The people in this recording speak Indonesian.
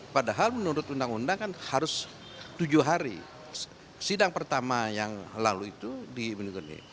padahal menurut undang undang kan harus tujuh hari sidang pertama yang lalu itu diberikan